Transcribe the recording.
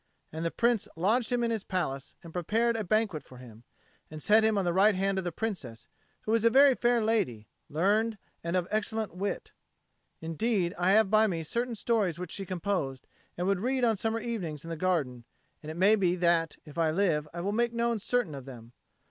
And the Prince lodged him in his palace, and prepared a banquet for him, and set him on the right hand of the Princess, who was a very fair lady, learned, and of excellent wit; indeed, I have by me certain stories which she composed, and would read on summer evenings in the garden; and it may be that, if I live, I will make known certain of them.